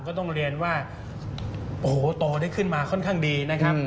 ก็ต้องเรียนว่าโอ้โหโตได้ขึ้นมาค่อนข้างดีนะครับ